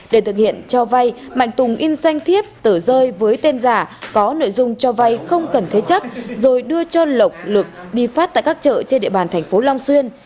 để thực hiện cho vay mạnh tùng in danh thiếp tờ rơi với tên giả có nội dung cho vay không cần thế chấp rồi đưa cho lộc lực đi phát tại các chợ trên địa bàn thành phố long xuyên